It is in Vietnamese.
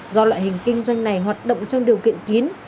do loại hình kinh doanh này hoạt động trong điều kiện kín